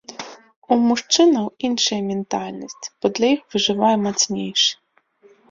У мужчынаў іншая ментальнасць, бо для іх выжывае мацнейшы.